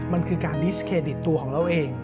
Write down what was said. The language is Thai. มันคือการดิสเครดิตตัวของเราเอง